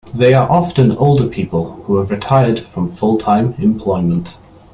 They are often older people who have retired from full-time employment.